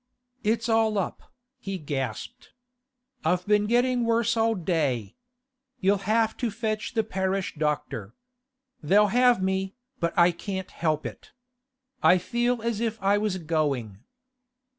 'It's all up,' he gasped. 'I've been getting worse all day. You'll have to fetch the parish doctor. They'll have me, but I can't help it. I feel as if I was going.